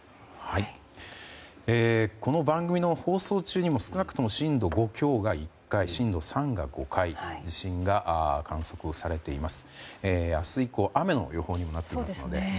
この番組の放送中にも少なくとも震度５強が１回震度３が５回地震が観測されています。